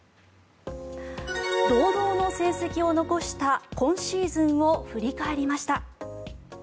堂々の成績を残した今シーズンを振り返りました。